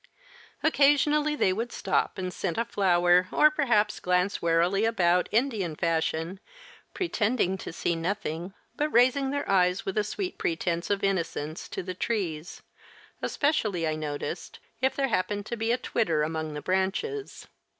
Occasionally they would stop and scent a flower or perhaps glance warily about, Indian fashion, pretending to see nothing, but raising their eyes with a sweet pretence of innocence to the trees, especially, I noticed, if there happened to be a twitter among the branches.